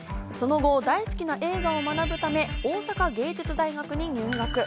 その後、大好きな映画を学ぶため大阪芸術大学に入学。